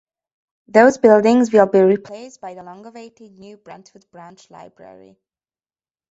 These buildings will be replaced by the long-awaited new Brentwood branch library.